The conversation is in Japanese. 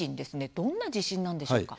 どんな地震なんでしょうか？